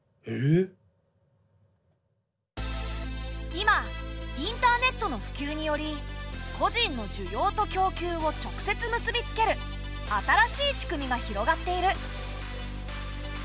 今インターネットのふきゅうにより個人の需要と供給を直接結びつける新しい仕組みが広がっている。